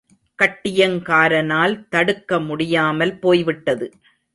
கட்டியங்காரனால் தடுக்க முடியாமல் போய்விட்டது.